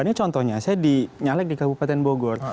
ini contohnya saya dinyalek di kabupaten bogor